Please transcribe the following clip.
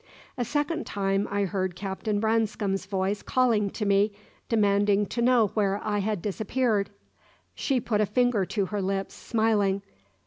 A second time I heard Captain Branscome's voice calling to me, demanding to know where I had disappeared. She put a finger to her lips, smiling.